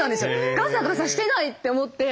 ガサガサしてないって思って。